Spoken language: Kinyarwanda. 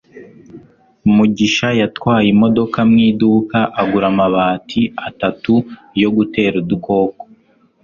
mugisha yatwaye imodoka mu iduka agura amabati atatu yo gutera udukoko